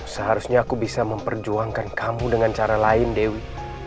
seharusnya aku bisa memperjuangkan kamu dengan cara lain dewi